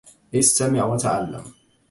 استمع و تعلّم.